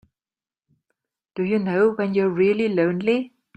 Do you know when you're really lonely?